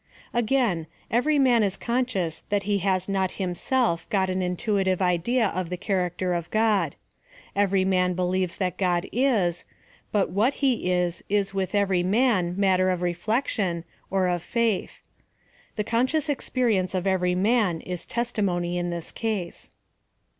Again, every man is conscious that he has not himself got an intuitive idea of the character of God. Every man believes that God is ; but what he is, is with every man matter of reflection, or of faith. The conscious experience of every man is testimony in this case.